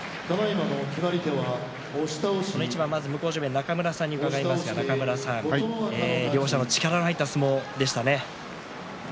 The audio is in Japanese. この一番、まず向正面の中村さん両者の力の入った相撲でしたね。